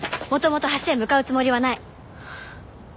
もともと橋へ向かうつもりはない。